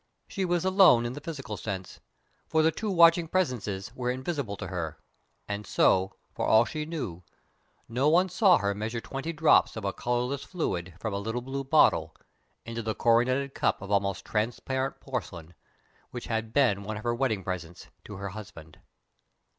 She was alone in the physical sense, for the two watching Presences were invisible to her, and so, for all she knew, no one saw her measure twenty drops of a colourless fluid from a little blue bottle into the coronetted cup of almost transparent porcelain which had been one of her wedding presents to her husband.